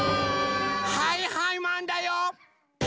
はいはいマンだよ！